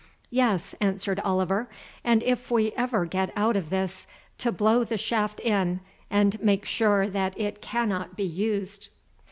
"Yes," answered Oliver, "and if we ever get out of this, to blow the shaft in and make sure that it cannot be used."